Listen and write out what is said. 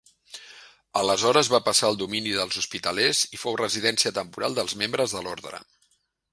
Aleshores va passar al domini dels Hospitalers i fou residència temporal dels membres de l'orde.